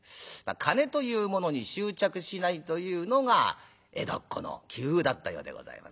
金というものに執着しないというのが江戸っ子の気風だったようでございますが。